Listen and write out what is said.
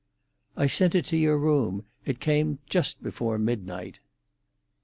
"I sent it to your room. It came just before midnight."